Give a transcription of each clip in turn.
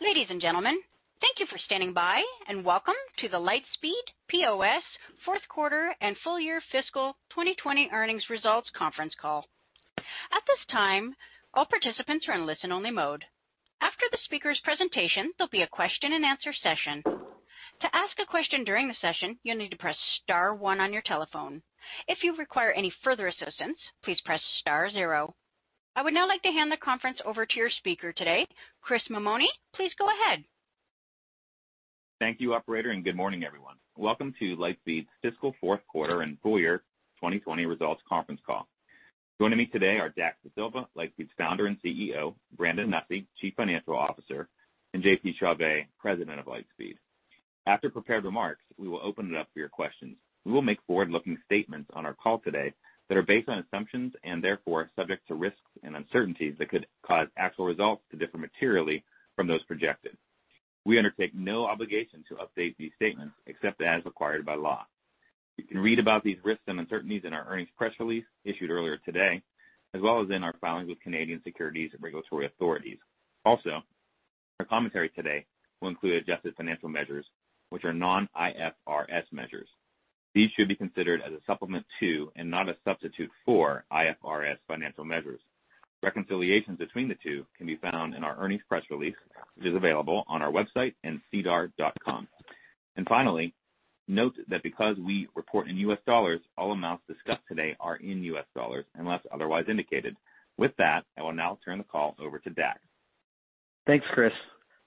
Ladies and gentlemen, thank you for standing by. Welcome to the Lightspeed POS fourth quarter and full year fiscal 2020 earnings results conference call. At this time, all participants are in listen only mode. After the speaker's presentation, there'll be a question and answer session. To ask a question during the session, you'll need to press star one on your telephone. If you require any further assistance, please press star zero. I would now like to hand the conference over to your speaker today, Chris Mamone. Please go ahead. Thank you, operator, and good morning, everyone. Welcome to Lightspeed's fiscal fourth quarter and full year 2020 results conference call. Joining me today are Dax Dasilva, Lightspeed's Founder and CEO, Brandon Nussey, Chief Financial Officer, and JP Chauvet, President of Lightspeed. After prepared remarks, we will open it up for your questions. We will make forward-looking statements on our call today that are based on assumptions and therefore subject to risks and uncertainties that could cause actual results to differ materially from those projected. We undertake no obligation to update these statements except as required by law. You can read about these risks and uncertainties in our earnings press release issued earlier today, as well as in our filings with Canadian securities and regulatory authorities. Also, our commentary today will include adjusted financial measures, which are non-IFRS measures. These should be considered as a supplement to, and not a substitute for, IFRS financial measures. Reconciliations between the two can be found in our earnings press release, which is available on our website and sedar.com. Finally, note that because we report in U.S. dollars, all amounts discussed today are in U.S. dollars unless otherwise indicated. With that, I will now turn the call over to Dax. Thanks, Chris.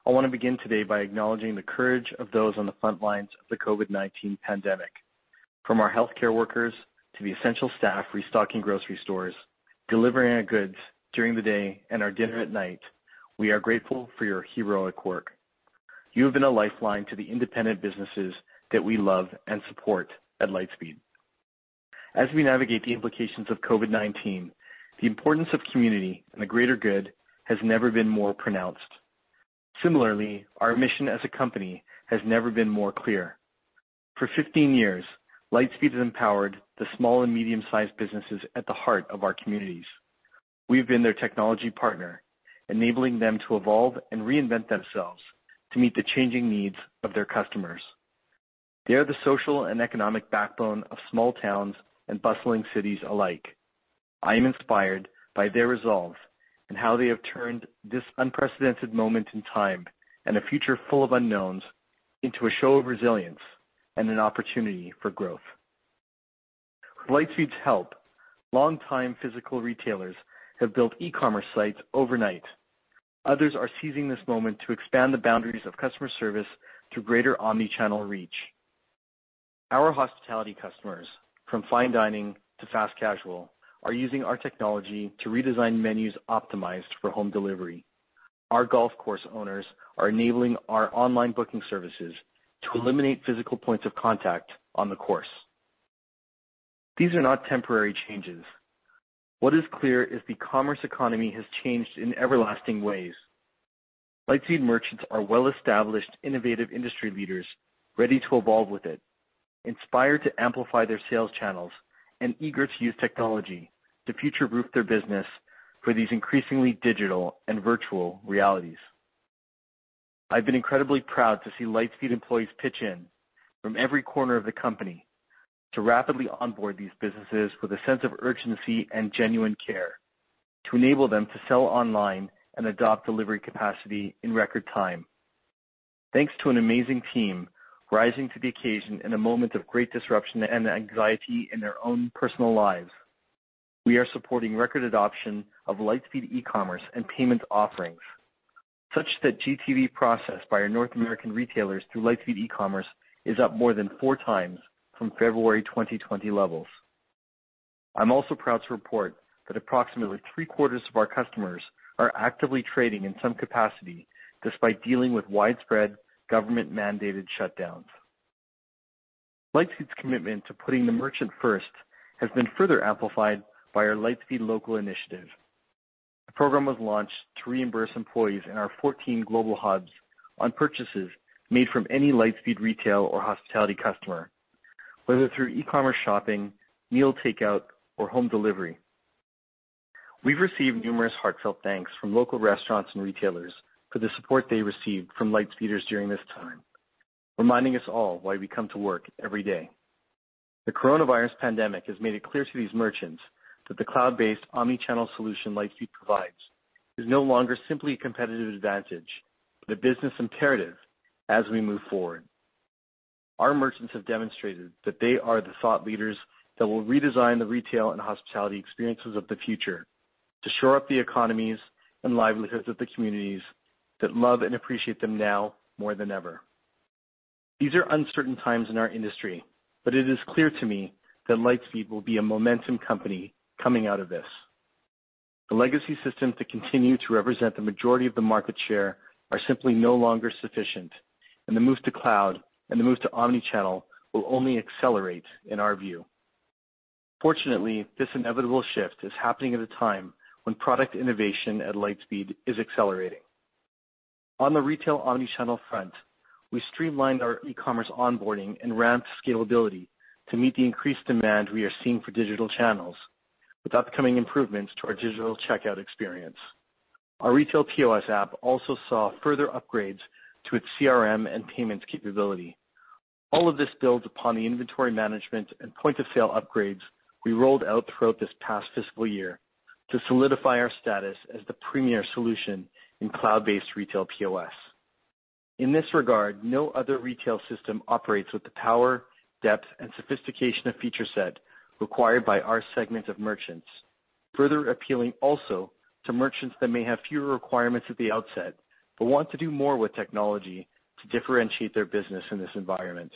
I want to begin today by acknowledging the courage of those on the front lines of the COVID-19 pandemic, from our healthcare workers to the essential staff restocking grocery stores, delivering our goods during the day and our dinner at night, we are grateful for your heroic work. You have been a lifeline to the independent businesses that we love and support at Lightspeed. As we navigate the implications of COVID-19, the importance of community and the greater good has never been more pronounced. Similarly, our mission as a company has never been more clear. For 15 years, Lightspeed has empowered the small and medium-sized businesses at the heart of our communities. We've been their technology partner, enabling them to evolve and reinvent themselves to meet the changing needs of their customers. They are the social and economic backbone of small towns and bustling cities alike. I am inspired by their resolve and how they have turned this unprecedented moment in time, and a future full of unknowns, into a show of resilience and an opportunity for growth. With Lightspeed's help, longtime physical retailers have built e-commerce sites overnight. Others are seizing this moment to expand the boundaries of customer service through greater omni-channel reach. Our hospitality customers, from fine dining to fast casual, are using our technology to redesign menus optimized for home delivery. Our golf course owners are enabling our online booking services to eliminate physical points of contact on the course. These are not temporary changes. What is clear is the commerce economy has changed in everlasting ways. Lightspeed merchants are well-established, innovative industry leaders ready to evolve with it, inspired to amplify their sales channels, and eager to use technology to future-proof their business for these increasingly digital and virtual realities. I've been incredibly proud to see Lightspeed employees pitch in from every corner of the company to rapidly onboard these businesses with a sense of urgency and genuine care to enable them to sell online and adopt delivery capacity in record time. Thanks to an amazing team rising to the occasion in a moment of great disruption and anxiety in their own personal lives, we are supporting record adoption of Lightspeed Commerce and payment offerings, such that GTV processed by our North American retailers through Lightspeed Commerce is up more than four times from February 2020 levels. I'm also proud to report that approximately three-quarters of our customers are actively trading in some capacity despite dealing with widespread government-mandated shutdowns. Lightspeed's commitment to putting the merchant first has been further amplified by our Lightspeed Local initiative. The program was launched to reimburse employees in our 14 global hubs on purchases made from any Lightspeed retail or hospitality customer, whether through e-commerce shopping, meal takeout, or home delivery. We've received numerous heartfelt thanks from local restaurants and retailers for the support they received from Lightspeeders during this time, reminding us all why we come to work every day. COVID-19 has made it clear to these merchants that the cloud-based omni-channel solution Lightspeed provides is no longer simply a competitive advantage, but a business imperative as we move forward. Our merchants have demonstrated that they are the thought leaders that will redesign the retail and hospitality experiences of the future to shore up the economies and livelihoods of the communities that love and appreciate them now more than ever. These are uncertain times in our industry, but it is clear to me that Lightspeed will be a momentum company coming out of this. The legacy systems that continue to represent the majority of the market share are simply no longer sufficient, and the move to cloud and the move to omni-channel will only accelerate in our view. Fortunately, this inevitable shift is happening at a time when product innovation at Lightspeed is accelerating. On the Retail Omni front, we streamlined our e-commerce onboarding and ramped scalability to meet the increased demand we are seeing for digital channels. With upcoming improvements to our digital checkout experience, our retail POS app also saw further upgrades to its CRM and Payments capability. All of this builds upon the inventory management and point of sale upgrades we rolled out throughout this past fiscal year to solidify our status as the premier solution in cloud-based retail POS. In this regard, no other retail system operates with the power, depth, and sophistication of feature set required by our segment of merchants, further appealing also to merchants that may have fewer requirements at the outset, but want to do more with technology to differentiate their business in this environment.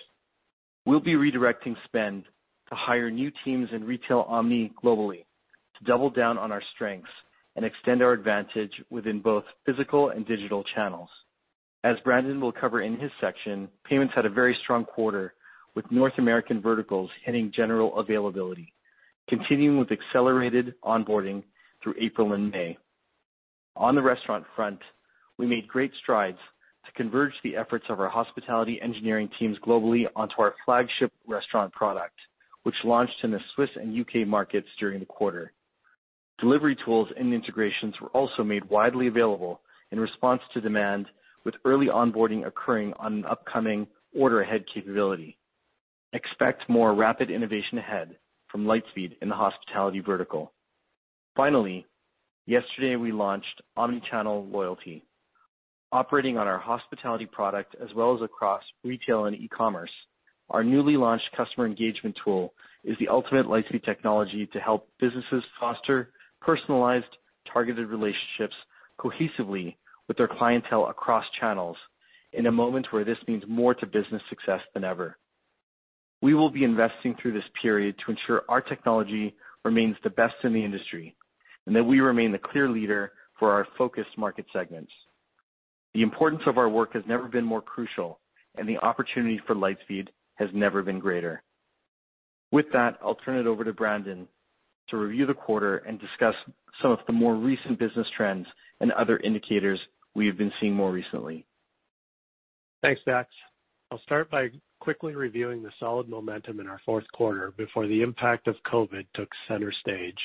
We'll be redirecting spend to hire new teams in Retail Omni globally to double down on our strengths and extend our advantage within both physical and digital channels. As Brandon Nussey will cover in his section, payments had a very strong quarter, with North American verticals hitting general availability, continuing with accelerated onboarding through April and May. On the restaurant front, we made great strides to converge the efforts of our hospitality engineering teams globally onto our flagship restaurant product, which launched in the Swiss and U.K. markets during the quarter. Delivery tools and integrations were also made widely available in response to demand, with early onboarding occurring on an upcoming order ahead capability. Expect more rapid innovation ahead from Lightspeed in the hospitality vertical. Finally, yesterday we launched Omnichannel Loyalty. Operating on our hospitality product as well as across retail and e-commerce, our newly launched customer engagement tool is the ultimate Lightspeed technology to help businesses foster personalized, targeted relationships cohesively with their clientele across channels in a moment where this means more to business success than ever. We will be investing through this period to ensure our technology remains the best in the industry, and that we remain the clear leader for our focus market segments. The importance of our work has never been more crucial, and the opportunity for Lightspeed has never been greater. With that, I'll turn it over to Brandon to review the quarter and discuss some of the more recent business trends and other indicators we have been seeing more recently. Thanks, Dax. I'll start by quickly reviewing the solid momentum in our fourth quarter before the impact of COVID took center stage.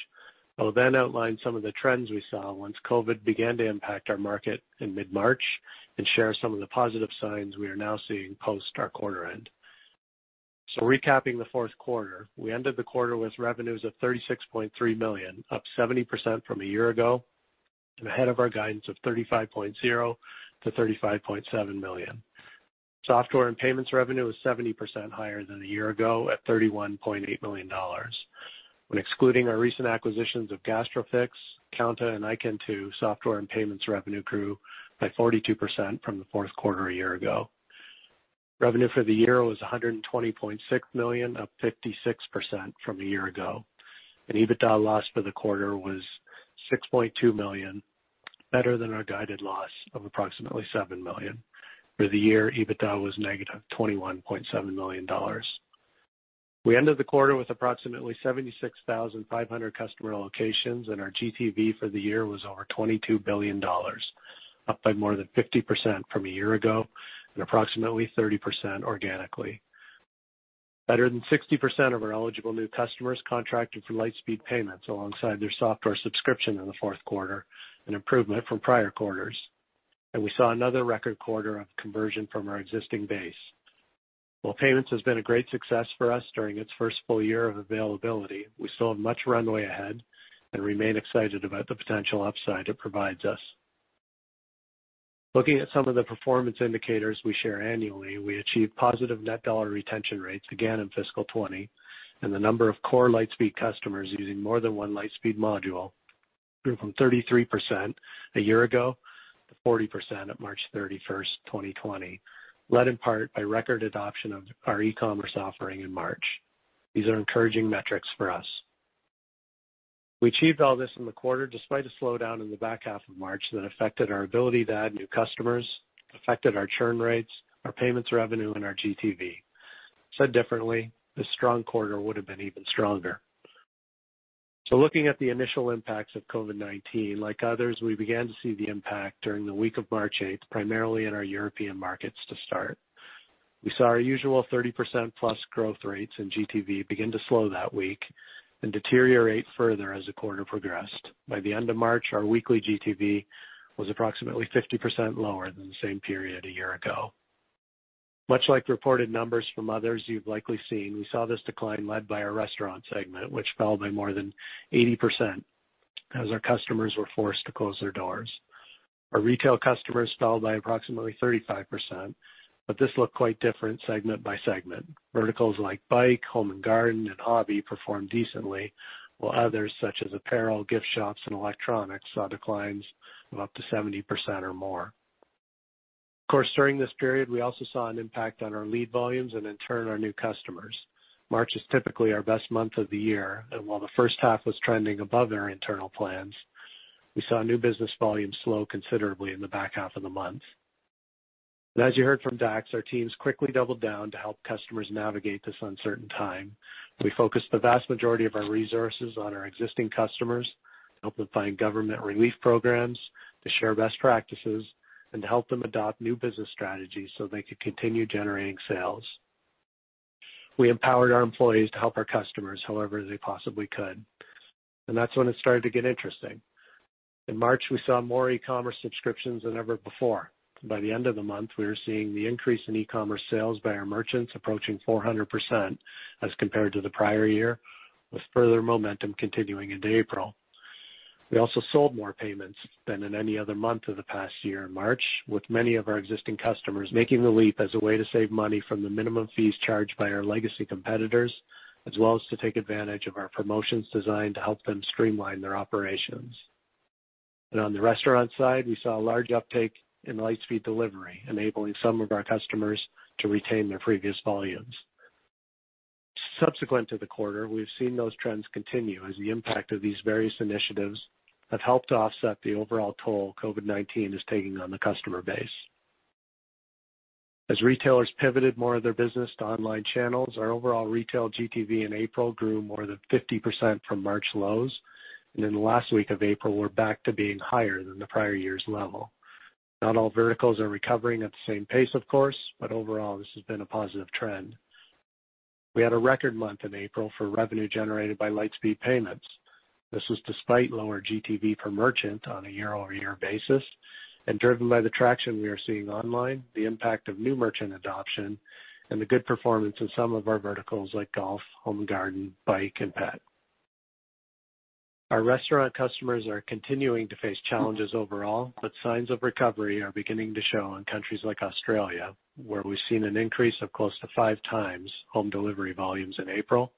I will outline some of the trends we saw once COVID began to impact our market in mid-March, and share some of the positive signs we are now seeing post our quarter end. Recapping the fourth quarter, we ended the quarter with revenues of $36.3 million, up 70% from a year ago, and ahead of our guidance of $35.0 million-$35.7 million. Software and payments revenue was 70% higher than a year ago at $31.8 million. When excluding our recent acquisitions of Gastrofix, Kounta, and iKentoo, software and payments revenue grew by 42% from the fourth quarter a year ago. Revenue for the year was $120.6 million, up 56% from a year ago. EBITDA loss for the quarter was $6.2 million, better than our guided loss of approximately $7 million. For the year, EBITDA was negative $21.7 million. We ended the quarter with approximately 76,500 customer locations. Our GTV for the year was over $22 billion, up by more than 50% from a year ago and approximately 30% organically. Better than 60% of our eligible new customers contracted for Lightspeed Payments alongside their software subscription in the fourth quarter, an improvement from prior quarters. We saw another record quarter of conversion from our existing base. While payments has been a great success for us during its first full year of availability, we still have much runway ahead and remain excited about the potential upside it provides us. Looking at some of the performance indicators we share annually, we achieved positive net dollar retention rates again in fiscal 2020, and the number of core Lightspeed customers using more than one Lightspeed module grew from 33% a year ago to 40% at March 31, 2020, led in part by record adoption of our e-commerce offering in March. These are encouraging metrics for us. We achieved all this in the quarter despite a slowdown in the back half of March that affected our ability to add new customers, affected our churn rates, our payments revenue, and our GTV. Said differently, this strong quarter would have been even stronger. Looking at the initial impacts of COVID-19, like others, we began to see the impact during the week of March 8, primarily in our European markets to start. We saw our usual 30%+ growth rates in GTV begin to slow that week and deteriorate further as the quarter progressed. By the end of March, our weekly GTV was approximately 50% lower than the same period a year ago. Much like the reported numbers from others you've likely seen, we saw this decline led by our restaurant segment, which fell by more than 80% as our customers were forced to close their doors. Our retail customers fell by approximately 35%, but this looked quite different segment by segment. Verticals like bike, home and garden, and hobby performed decently, while others, such as apparel, gift shops, and electronics, saw declines of up to 70% or more. Of course, during this period, we also saw an impact on our lead volumes and in turn, our new customers. March is typically our best month of the year, while the first half was trending above our internal plans, we saw new business volume slow considerably in the back half of the month. As you heard from Dax, our teams quickly doubled down to help customers navigate this uncertain time. We focused the vast majority of our resources on our existing customers to help them find government relief programs, to share best practices, and to help them adopt new business strategies so they could continue generating sales. We empowered our employees to help our customers however they possibly could, and that's when it started to get interesting. In March, we saw more e-commerce subscriptions than ever before. By the end of the month, we were seeing the increase in e-commerce sales by our merchants approaching 400% as compared to the prior year, with further momentum continuing into April. We also sold more Lightspeed Payments than in any other month of the past year in March, with many of our existing customers making the leap as a way to save money from the minimum fees charged by our legacy competitors, as well as to take advantage of our promotions designed to help them streamline their operations. On the restaurant side, we saw a large uptake in Lightspeed Delivery, enabling some of our customers to retain their previous volumes. Subsequent to the quarter, we've seen those trends continue as the impact of these various initiatives have helped to offset the overall toll COVID-19 is taking on the customer base. As retailers pivoted more of their business to online channels, our overall retail GTV in April grew more than 50% from March lows, and in the last week of April were back to being higher than the prior year's level. Not all verticals are recovering at the same pace of course, but overall this has been a positive trend. We had a record month in April for revenue generated by Lightspeed Payments. This was despite lower GTV per merchant on a year-over-year basis and driven by the traction we are seeing online, the impact of new merchant adoption, and the good performance in some of our verticals like golf, home and garden, bike, and pet. Our restaurant customers are continuing to face challenges overall, but signs of recovery are beginning to show in countries like Australia, where we've seen an increase of close to 5 times home delivery volumes in April,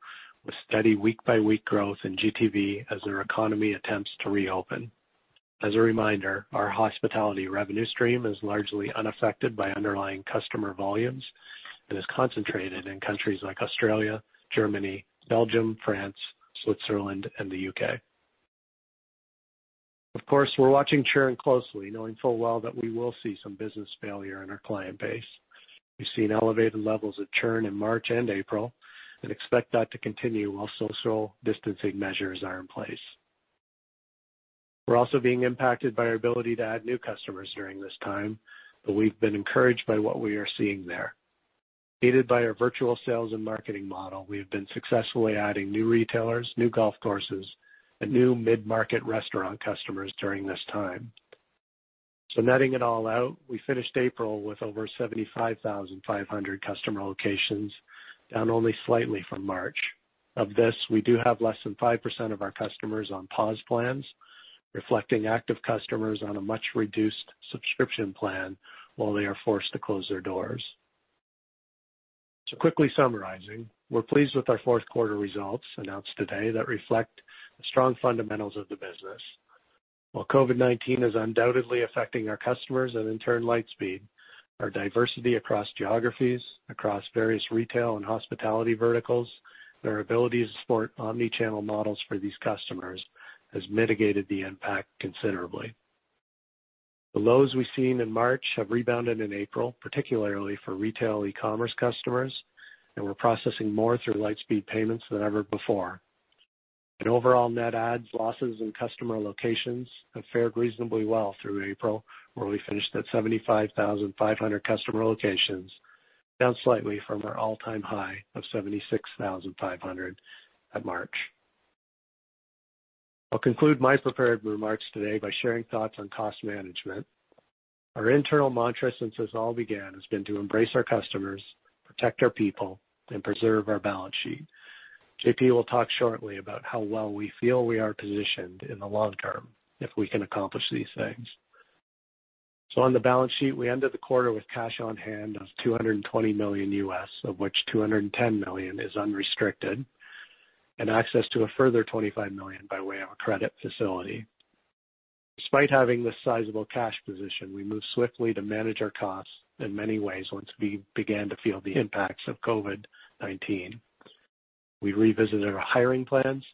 with steady week-by-week growth in GTV as their economy attempts to reopen. As a reminder, our hospitality revenue stream is largely unaffected by underlying customer volumes and is concentrated in countries like Australia, Germany, Belgium, France, Switzerland, and the U.K. Of course, we're watching churn closely, knowing full well that we will see some business failure in our client base. We've seen elevated levels of churn in March and April, and expect that to continue while social distancing measures are in place. We're also being impacted by our ability to add new customers during this time, but we've been encouraged by what we are seeing there. Aided by our virtual sales and marketing model, we have been successfully adding new retailers, new golf courses, and new mid-market restaurant customers during this time. Netting it all out, we finished April with over 75,500 customer locations, down only slightly from March. Of this, we do have less than 5% of our customers on pause plans, reflecting active customers on a much-reduced subscription plan while they are forced to close their doors. Quickly summarizing, we're pleased with our fourth quarter results announced today that reflect the strong fundamentals of the business. While COVID-19 is undoubtedly affecting our customers and in turn Lightspeed, our diversity across geographies, across various retail and hospitality verticals, and our ability to support omni-channel models for these customers has mitigated the impact considerably. The lows we've seen in March have rebounded in April, particularly for retail e-commerce customers, and we're processing more through Lightspeed Payments than ever before. Overall net adds, losses, and customer locations have fared reasonably well through April, where we finished at 75,500 customer locations, down slightly from our all-time high of 76,500 at March. I'll conclude my prepared remarks today by sharing thoughts on cost management. Our internal mantra since this all began has been to embrace our customers, protect our people, and preserve our balance sheet. JP will talk shortly about how well we feel we are positioned in the long term if we can accomplish these things. On the balance sheet, we ended the quarter with cash on-hand of $220 million U.S., of which $210 million is unrestricted, and access to a further $25 million by way of a credit facility. Despite having this sizable cash position, we moved swiftly to manage our costs in many ways once we began to feel the impacts of COVID-19. We revisited our hiring plans,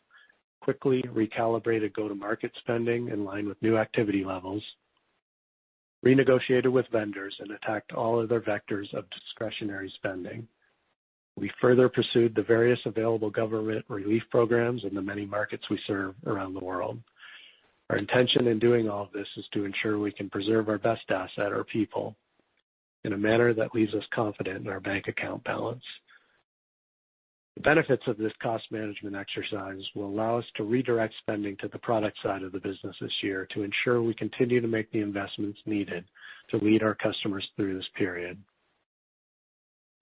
quickly recalibrated go-to-market spending in line with new activity levels, renegotiated with vendors, and attacked all other vectors of discretionary spending. We further pursued the various available government relief programs in the many markets we serve around the world. Our intention in doing all of this is to ensure we can preserve our best asset, our people, in a manner that leaves us confident in our bank account balance. The benefits of this cost management exercise will allow us to redirect spending to the product side of the business this year to ensure we continue to make the investments needed to lead our customers through this period.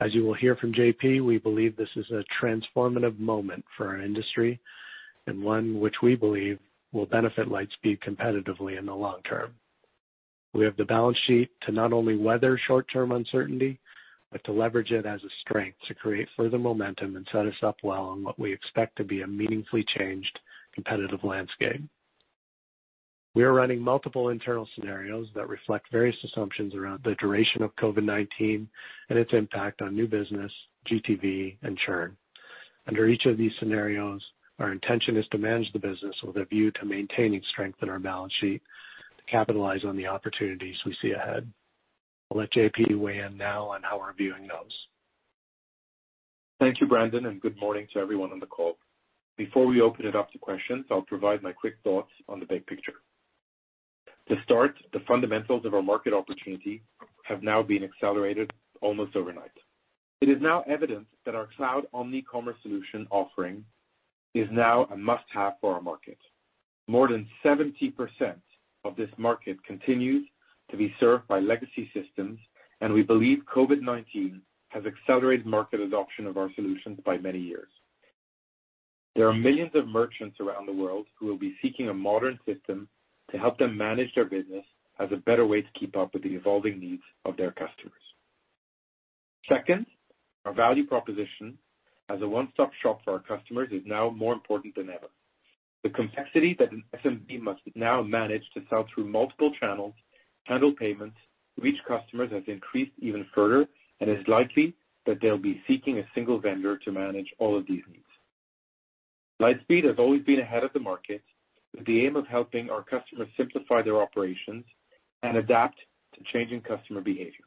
As you will hear from JP, we believe this is a transformative moment for our industry and one which we believe will benefit Lightspeed competitively in the long term. We have the balance sheet to not only weather short-term uncertainty, but to leverage it as a strength to create further momentum and set us up well on what we expect to be a meaningfully changed competitive landscape. We are running multiple internal scenarios that reflect various assumptions around the duration of COVID-19 and its impact on new business, GTV, and churn. Under each of these scenarios, our intention is to manage the business with a view to maintaining strength in our balance sheet to capitalize on the opportunities we see ahead. I'll let JP weigh in now on how we're viewing those. Thank you, Brandon. Good morning to everyone on the call. Before we open it up to questions, I'll provide my quick thoughts on the big picture. To start, the fundamentals of our market opportunity have now been accelerated almost overnight. It is now evident that our cloud omni-commerce solution offering is now a must-have for our market. More than 70% of this market continues to be served by legacy systems, and we believe COVID-19 has accelerated market adoption of our solutions by many years. There are millions of merchants around the world who will be seeking a modern system to help them manage their business as a better way to keep up with the evolving needs of their customers. Second, our value proposition as a one-stop shop for our customers is now more important than ever. The complexity that an SMB must now manage to sell through multiple channels, handle payments, reach customers has increased even further, and it is likely that they'll be seeking a single vendor to manage all of these needs. Lightspeed has always been ahead of the market with the aim of helping our customers simplify their operations and adapt to changing customer behavior.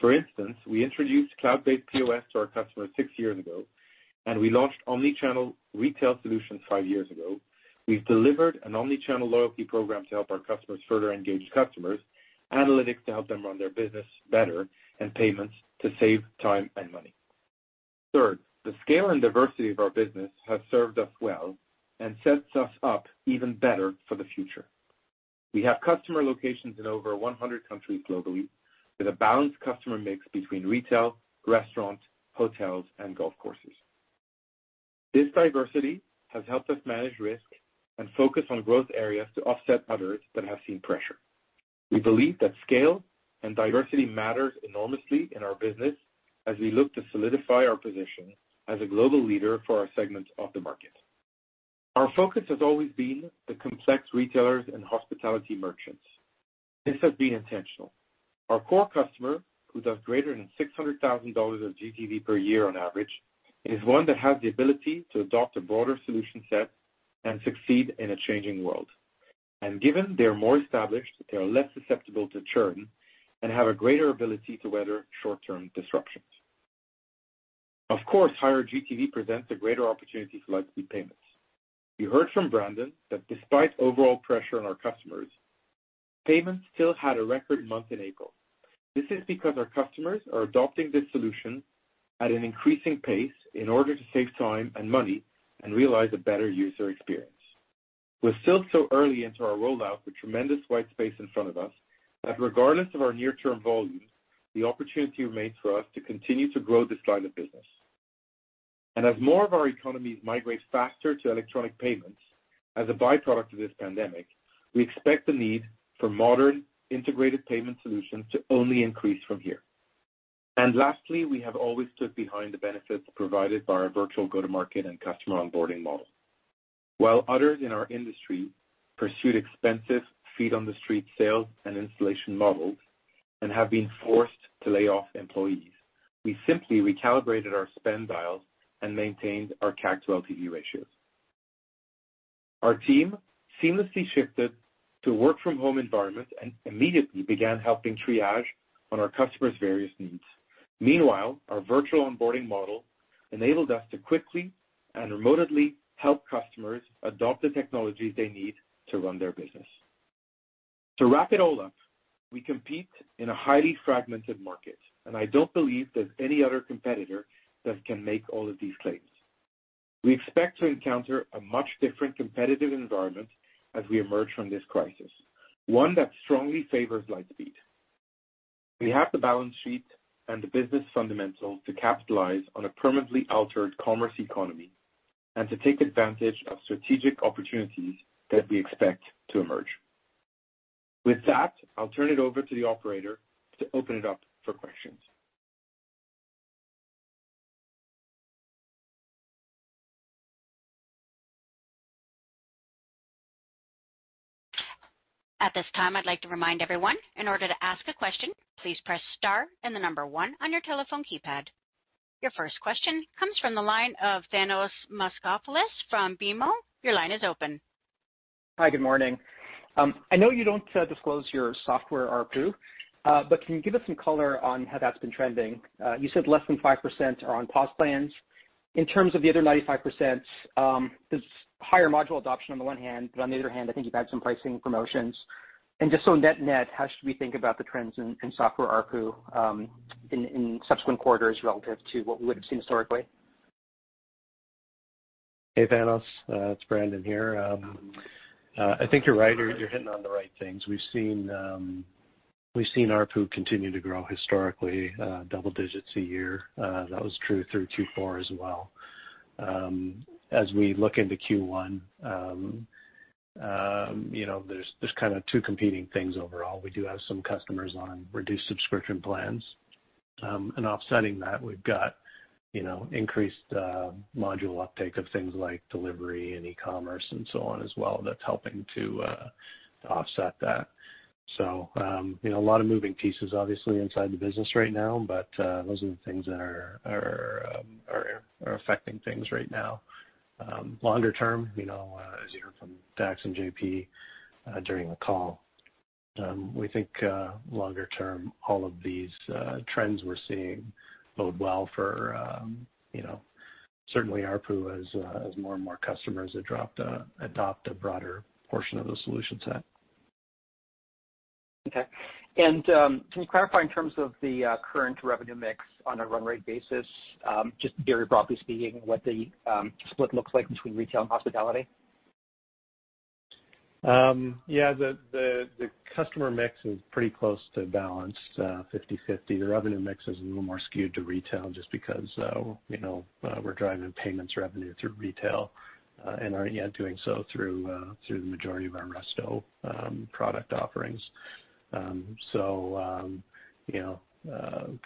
For instance, we introduced cloud-based POS to our customers six years ago, and we launched omni-channel retail solutions five years ago. We've delivered an Omnichannel Loyalty program to help our customers further engage customers, analytics to help them run their business better, and payments to save time and money. Third, the scale and diversity of our business has served us well and sets us up even better for the future. We have customer locations in over 100 countries globally with a balanced customer mix between retail, restaurants, hotels, and golf courses. This diversity has helped us manage risk and focus on growth areas to offset others that have seen pressure. We believe that scale and diversity matters enormously in our business as we look to solidify our position as a global leader for our segment of the market. Our focus has always been the complex retailers and hospitality merchants. This has been intentional. Our core customer, who does greater than $600,000 of GTV per year on average, is one that has the ability to adopt a broader solution set and succeed in a changing world. Given they are more established, they are less susceptible to churn and have a greater ability to weather short-term disruptions. Of course, higher GTV presents a greater opportunity for Lightspeed Payments. You heard from Brandon that despite overall pressure on our customers, Lightspeed Payments still had a record month in April. This is because our customers are adopting this solution at an increasing pace in order to save time and money and realize a better user experience. We're still so early into our rollout with tremendous white space in front of us that regardless of our near-term volumes, the opportunity remains for us to continue to grow this line of business. As more of our economies migrate faster to electronic payments as a byproduct of this pandemic, we expect the need for modern, integrated payment solutions to only increase from here. Lastly, we have always stood behind the benefits provided by our virtual go-to-market and customer onboarding model. While others in our industry pursued expensive feet-on-the-street sales and installation models and have been forced to lay off employees, we simply recalibrated our spend dial and maintained our CAC to LTV ratios. Our team seamlessly shifted to a work-from-home environment and immediately began helping triage on our customers' various needs. Meanwhile, our virtual onboarding model enabled us to quickly and remotely help customers adopt the technologies they need to run their business. To wrap it all up, we compete in a highly fragmented market, and I don't believe there's any other competitor that can make all of these claims. We expect to encounter a much different competitive environment as we emerge from this crisis, one that strongly favors Lightspeed. We have the balance sheet and the business fundamentals to capitalize on a permanently altered commerce economy and to take advantage of strategic opportunities that we expect to emerge. With that, I'll turn it over to the operator to open it up for questions. At this time, I'd like to remind everyone, in order to ask a question, please press star and the number one on your telephone keypad. Your first question comes from the line of Thanos Moschopoulos from BMO. Your line is open. Hi, good morning. I know you don't disclose your software ARPU, but can you give us some color on how that's been trending? You said less than 5% are on pause plans. In terms of the other 95%, there's higher module adoption on the one hand, but on the other hand, I think you've had some pricing promotions. Just net net, how should we think about the trends in software ARPU in subsequent quarters relative to what we would've seen historically? Hey, Thanos. It's Brandon here. I think you're right, or you're hitting on the right things. We've seen ARPU continue to grow historically, double digits a year. That was true through Q4 as well. As we look into Q1, there's kind of two competing things overall. We do have some customers on reduced subscription plans, and offsetting that, we've got increased module uptake of things like delivery and e-commerce and so on as well that's helping to offset that. A lot of moving pieces obviously inside the business right now, but those are the things that are affecting things right now. Longer term, as you heard from Dax and JP during the call, we think longer term, all of these trends we're seeing bode well for Certainly ARPU as more and more customers adopt a broader portion of the solution set. Okay. Can you clarify in terms of the current revenue mix on a run rate basis, just very broadly speaking, what the split looks like between retail and hospitality? The customer mix is pretty close to balanced, 50/50. The revenue mix is a little more skewed to retail just because we're driving payments revenue through retail and aren't yet doing so through the majority of our resto product offerings.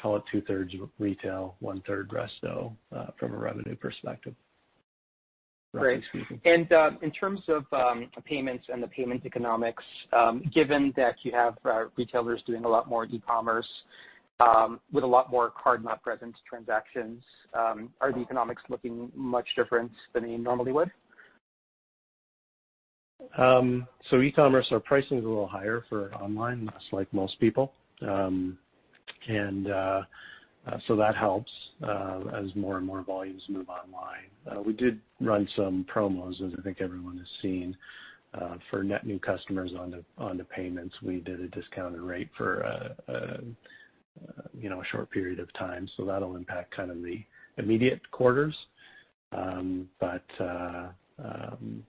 Call it two-thirds retail, one-third resto from a revenue perspective. Great. In terms of payments and the payment economics, given that you have retailers doing a lot more e-commerce with a lot more card not present transactions, are the economics looking much different than they normally would? E-commerce, our pricing is a little higher for online, just like most people. That helps as more and more volumes move online. We did run some promos, as I think everyone has seen, for net new customers on the Lightspeed Payments. We did a discounted rate for a short period of time. That'll impact the immediate quarters.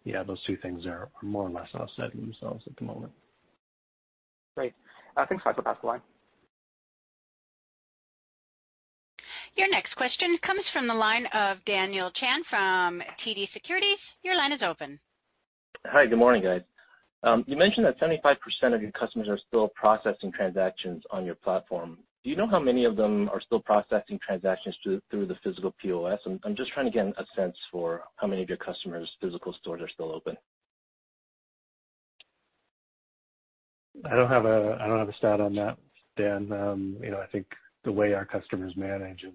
Yeah, those two things are more or less offsetting themselves at the moment. Great. Thanks,. I'll pass the line. Your next question comes from the line of Daniel Chan from TD Securities. Your line is open. Hi, good morning, guys. You mentioned that 75% of your customers are still processing transactions on your platform. Do you know how many of them are still processing transactions through the physical POS? I'm just trying to get a sense for how many of your customers' physical stores are still open. I don't have a stat on that, Dan. I think the way our customers manage, and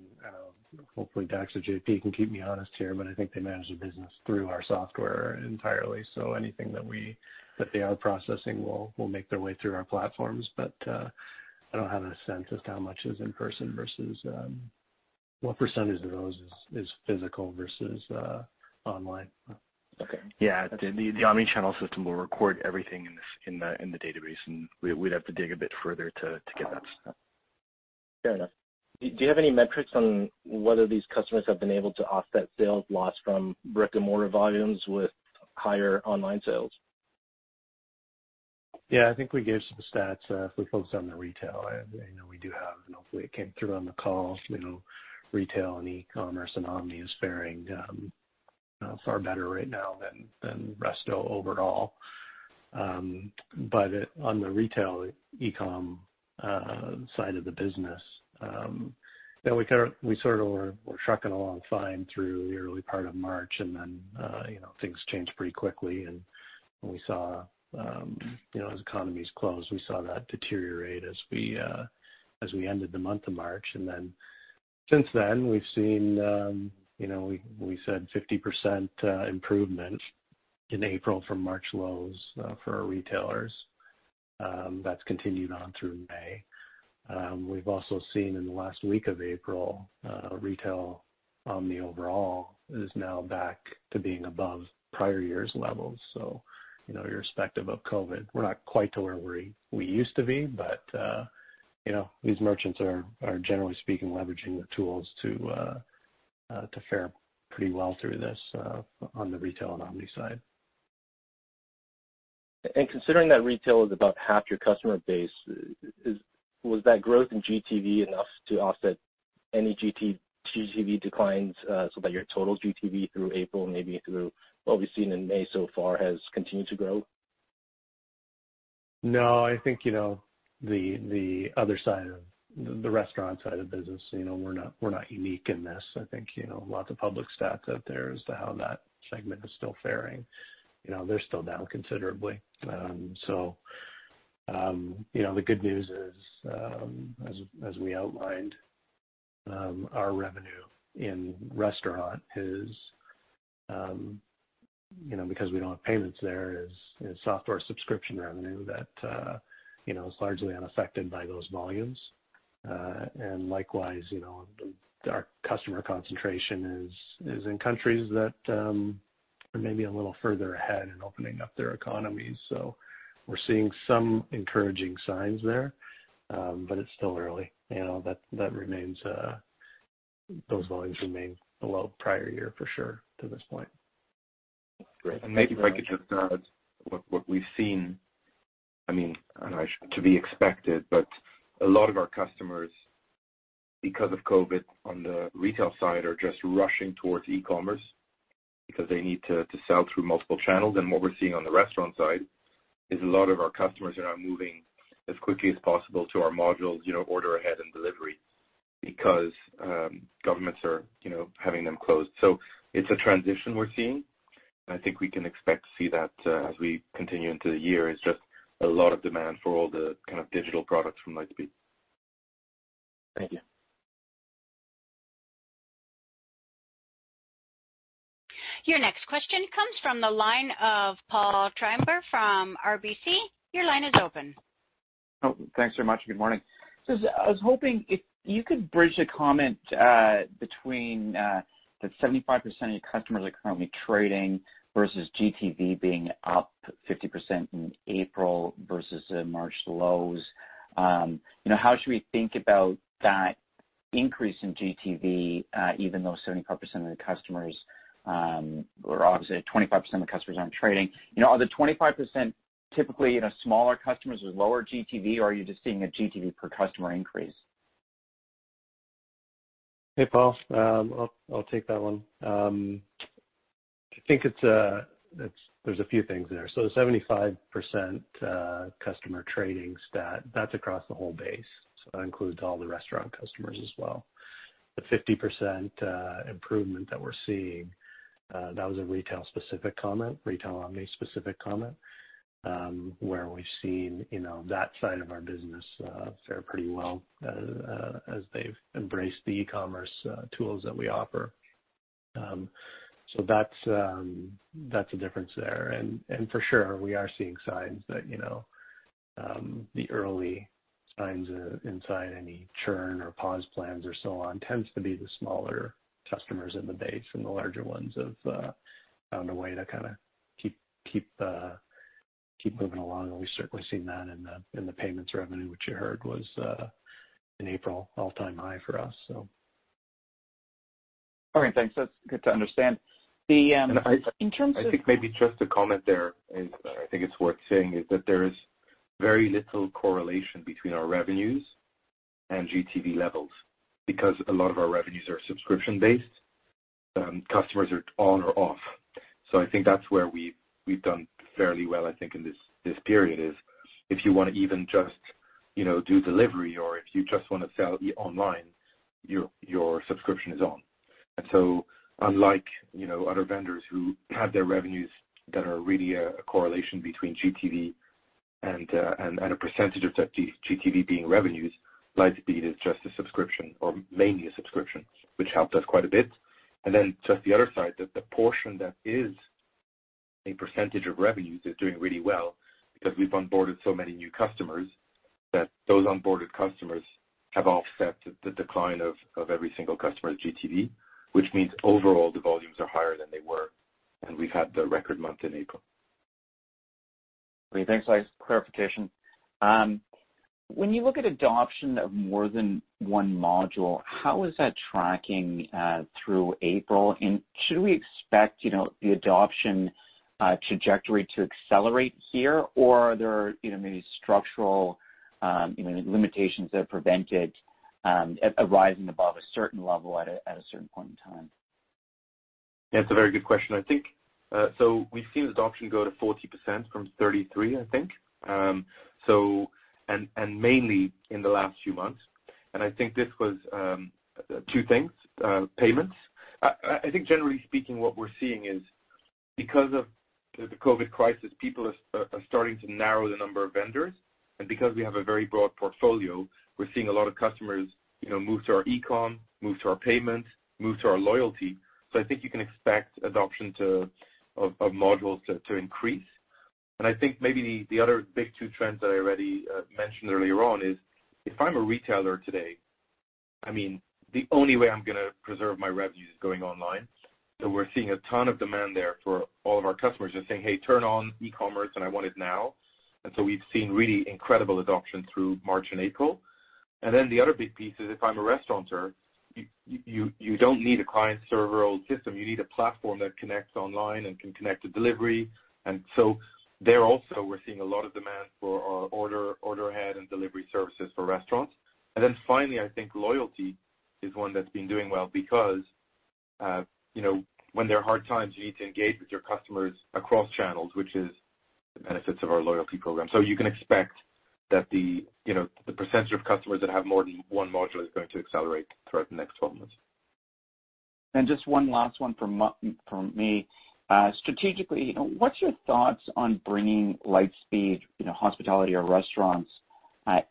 hopefully Dax or JP can keep me honest here, but I think they manage the business through our software entirely. Anything that they are processing will make their way through our platforms. I don't have a sense as to how much is in person versus what percentage of those is physical versus online. Okay. Yeah. The omni-channel system will record everything in the database, and we'd have to dig a bit further to get that stat. Fair enough. Do you have any metrics on whether these customers have been able to offset sales lost from brick-and-mortar volumes with higher online sales? Yeah, I think we gave some stats. If we focused on the retail, I know we do have, and hopefully it came through on the call, retail and e-commerce and omni is faring far better right now than resto overall. On the retail e-com side of the business, we sort of were trucking along fine through the early part of March, then things changed pretty quickly, and as economies closed, we saw that deteriorate as we ended the month of March. Since then, we've seen, we said 50% improvement in April from March lows for our retailers. That's continued on through May. We've also seen in the last week of April, Retail Omni overall is now back to being above prior year's levels. Irrespective of COVID-19, we're not quite to where we used to be, but these merchants are, generally speaking, leveraging the tools to fare pretty well through this on the retail and omni side. Considering that retail is about half your customer base, was that growth in GTV enough to offset any GTV declines so that your total GTV through April and maybe through what we've seen in May so far, has continued to grow? I think the restaurant side of the business, we're not unique in this. I think lots of public stats out there as to how that segment is still faring. They're still down considerably. The good news is, as we outlined, our revenue in restaurant is, because we don't have payments there, is software subscription revenue that is largely unaffected by those volumes. Likewise, our customer concentration is in countries that are maybe a little further ahead in opening up their economies. We're seeing some encouraging signs there, but it's still early. Those volumes remain below prior year for sure to this point. Great. Maybe if I could just add what we've seen, to be expected, but a lot of our customers, because of COVID-19 on the retail side, are just rushing towards e-commerce because they need to sell through multiple channels. What we're seeing on the restaurant side is a lot of our customers are now moving as quickly as possible to our modules, order ahead and delivery, because governments are having them closed. It's a transition we're seeing, and I think we can expect to see that as we continue into the year. It's just a lot of demand for all the kind of digital products from Lightspeed. Thank you. Your next question comes from the line of Paul Treiber from RBC. Your line is open. Thanks very much. Good morning. I was hoping if you could bridge a comment between the 75% of your customers are currently trading versus GTV being up 50% in April versus the March lows. How should we think about that increase in GTV? Even though 25% of the customers aren't trading. Are the 25% typically smaller customers with lower GTV, or are you just seeing a GTV per customer increase? Hey, Paul. I'll take that one. I think there's a few things there. The 75% customer trading stat, that's across the whole base. That includes all the restaurant customers as well. The 50% improvement that we're seeing, that was a Retail Omni-specific comment, where we've seen that side of our business fare pretty well as they've embraced the e-commerce tools that we offer. That's a difference there. For sure, we are seeing signs that the early signs inside any churn or pause plans or so on tends to be the smaller customers in the base from the larger ones have found a way to kind of keep moving along. We've certainly seen that in the payments revenue, which you heard was, in April, all-time high for us, so All right. Thanks. That's good to understand. I think maybe just to comment there, and I think it's worth saying, is that there is very little correlation between our revenues and GTV levels because a lot of our revenues are subscription-based. Customers are on or off. I think that's where we've done fairly well, I think, in this period is if you want to even just do delivery or if you just want to sell online, your subscription is on. Unlike other vendors who have their revenues that are really a correlation between GTV and a percentage of that GTV being revenues, Lightspeed is just a subscription or mainly a subscription, which helped us quite a bit. Just the other side, that the portion that is a percentage of revenues is doing really well because we've onboarded so many new customers, that those onboarded customers have offset the decline of every single customer's GTV, which means overall the volumes are higher than they were, and we've had the record month in April. Great. Thanks for the clarification. When you look at adoption of more than one module, how is that tracking through April? Should we expect the adoption trajectory to accelerate here? Are there maybe structural limitations that prevent it arising above a certain level at a certain point in time? Yeah, it's a very good question. We've seen adoption go to 40% from 33%, I think, and mainly in the last few months. I think this was two things. Payments. I think generally speaking, what we're seeing is because of the COVID crisis, people are starting to narrow the number of vendors. Because we have a very broad portfolio, we're seeing a lot of customers move to our eCom, move to our payments, move to our loyalty. I think you can expect adoption of modules to increase. I think maybe the other big two trends that I already mentioned earlier on is if I'm a retailer today, the only way I'm going to preserve my revenue is going online. We're seeing a ton of demand there for all of our customers just saying, "Hey, turn on e-commerce and I want it now." We've seen really incredible adoption through March and April. The other big piece is if I'm a restaurateur, you don't need a client-server old system. You need a platform that connects online and can connect to delivery. There also, we're seeing a lot of demand for our order ahead and delivery services for restaurants. Finally, I think loyalty is one that's been doing well because when there are hard times, you need to engage with your customers across channels, which is the benefits of our loyalty program. You can expect that the percentage of customers that have more than one module is going to accelerate throughout the next 12 months. Just one last one from me. Strategically, what's your thoughts on bringing Lightspeed hospitality or restaurants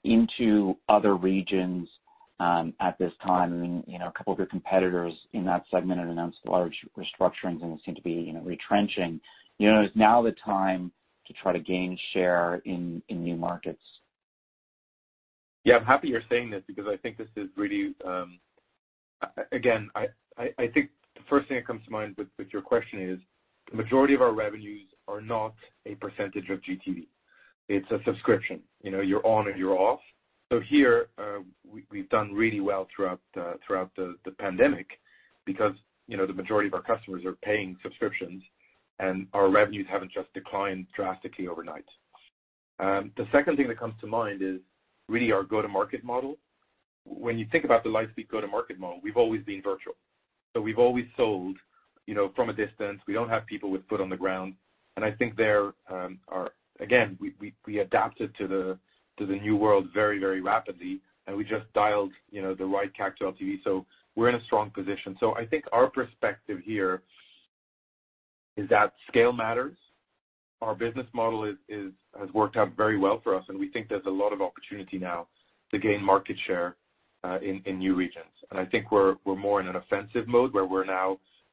into other regions at this time? A couple of your competitors in that segment have announced large restructurings and seem to be retrenching. Is now the time to try to gain share in new markets? I'm happy you're saying this because I think the first thing that comes to mind with your question is the majority of our revenues are not a percentage of GTV. It's a subscription. You're on or you're off. Here, we've done really well throughout the pandemic because the majority of our customers are paying subscriptions, and our revenues haven't just declined drastically overnight. The second thing that comes to mind is really our go-to-market model. When you think about the Lightspeed go-to-market model, we've always been virtual. We've always sold from a distance. We don't have people with foot on the ground. I think there, we adapted to the new world very rapidly, and we just dialed the right CAC to LTV. We're in a strong position. I think our perspective here is that scale matters Our business model has worked out very well for us, and we think there's a lot of opportunity now to gain market share in new regions. I think we're more in an offensive mode where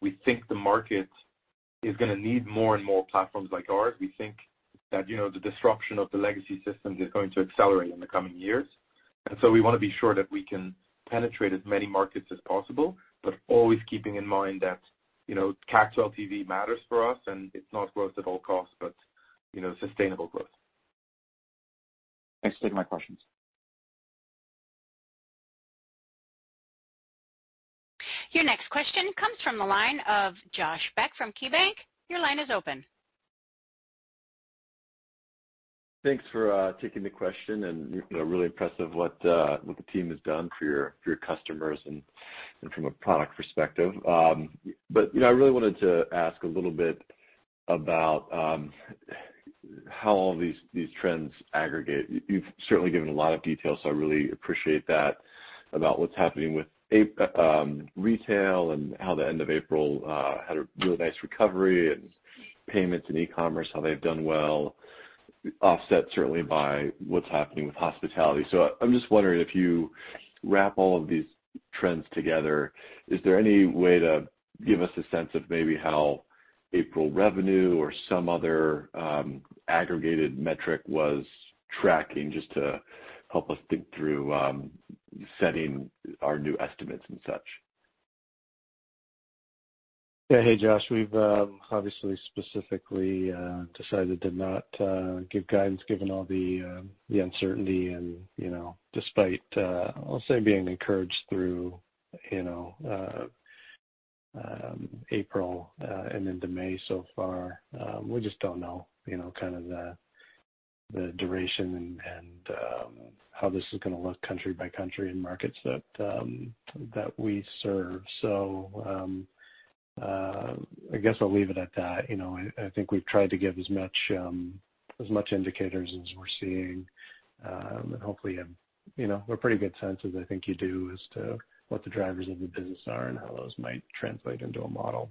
we think the market is going to need more and more platforms like ours. We think that the disruption of the legacy systems is going to accelerate in the coming years. We want to be sure that we can penetrate as many markets as possible, but always keeping in mind that cash LTV matters for us, and it's not growth at all costs, but sustainable growth. Thanks for taking my questions. Your next question comes from the line of Josh Beck from KeyBanc. Your line is open. Thanks for taking the question and really impressive what the team has done for your customers and from a product perspective. I really wanted to ask a little bit about how all these trends aggregate. You've certainly given a lot of details, so I really appreciate that, about what's happening with retail and how the end of April had a really nice recovery, and payments and e-commerce, how they've done well, offset certainly by what's happening with hospitality. I'm just wondering if you wrap all of these trends together, is there any way to give us a sense of maybe how April revenue or some other aggregated metric was tracking just to help us think through setting our new estimates and such? Yeah. Hey, Josh. We've obviously specifically decided to not give guidance given all the uncertainty and despite, I'll say, being encouraged through April and into May so far. We just don't know the duration and how this is going to look country by country in markets that we serve. I guess I'll leave it at that. I think we've tried to give as much indicators as we're seeing. Hopefully, we're pretty good senses I think you do as to what the drivers of the business are and how those might translate into a model.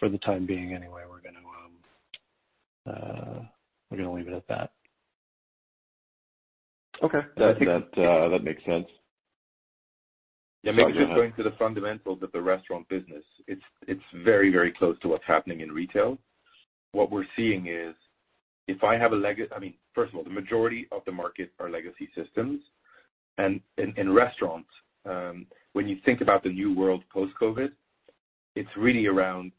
For the time being anyway, we're going to leave it at that. Okay. That makes sense. Yeah. Maybe just going to the fundamentals of the restaurant business. It's very close to what's happening in retail. What we're seeing is, first of all, the majority of the market are legacy systems. In restaurants, when you think about the new world post-COVID, it's really around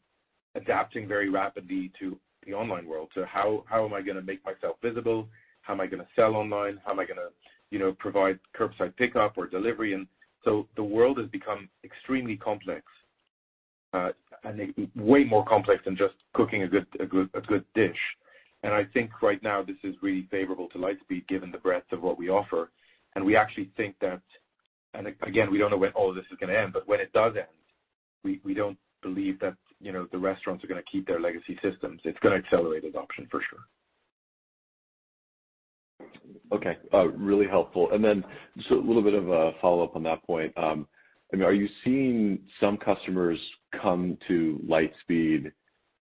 adapting very rapidly to the online world. How am I going to make myself visible? How am I going to sell online? How am I going to provide curbside pickup or delivery? The world has become extremely complex, and way more complex than just cooking a good dish. I think right now, this is really favorable to Lightspeed given the breadth of what we offer. Again, we don't know when all this is going to end, but when it does end, we don't believe that the restaurants are going to keep their legacy systems. It's going to accelerate adoption for sure. Okay. Really helpful. Then just a little bit of a follow-up on that point. Are you seeing some customers come to Lightspeed